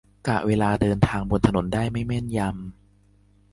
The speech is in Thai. กะเวลาเดินทางบนถนนได้ไม่แม่นยำ